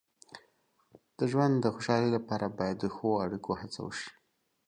د ژوند د خوشحالۍ لپاره باید د ښو اړیکو هڅه وشي.